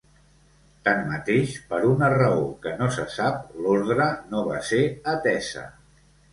Tanmateix, per una raó que no se sap, l’ordre no va ser atesa.